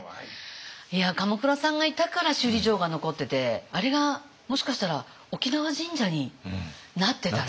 鎌倉さんがいたから首里城が残っててあれがもしかしたら沖縄神社になってたら。